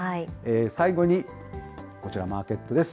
最後にこちら、マーケットです。